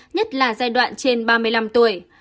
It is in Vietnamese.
nhất là giai đoạn trên ba mươi năm tuổi